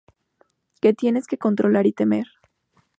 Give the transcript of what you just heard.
que tienes que controlar y temer